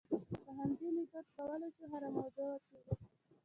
په همدې میتود کولای شو هره موضوع وڅېړو.